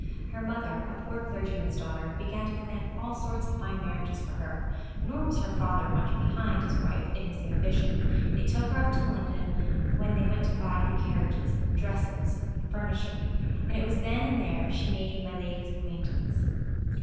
Her mother, a poor clergyman's daughter, began to plan all sorts of fine marriages for her; nor was her father much behind his wife in his ambition. They took her up to London, when they went to buy new carriages, and dresses, and furniture. And it was then and there she made my lady's acquaintance.